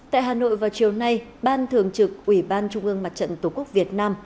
tại hà nội vào chiều nay ban thường trực ủy ban trung ương mặt trận tổ quốc việt nam